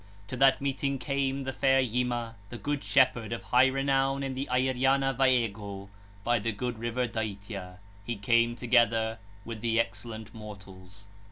To that meeting came, the fair Yima, the good shepherd, of high renown in the Airyana Vaêgô, by the good river Dâitya; he came together with the excellent mortals.